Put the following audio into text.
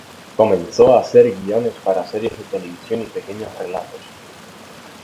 Comenzó a hacer guiones para series de televisión y pequeños relatos.